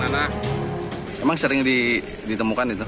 karena emang sering ditemukan itu